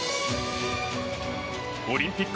オリンピック